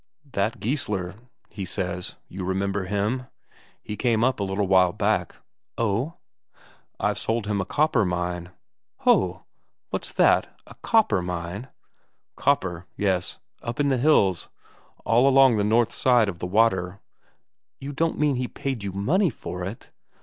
"That Geissler," he says, "you remember him? He came up a little while back." "Oh?" "I've sold him a copper mine." "Ho! What's that a copper mine?" "Copper, yes. Up in the hills, all along the north side of the water." "You you don't mean he paid you money for it?"